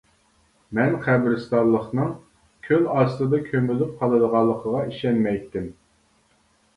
مەن قەبرىستانلىقنىڭ كۆل ئاستىدا كۆمۈلۈپ قالىدىغانلىقىغا ئىشەنمەيتتىم.